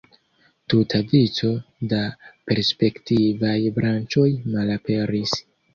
Tuta vico da perspektivaj branĉoj malaperis.